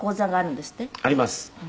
「あります。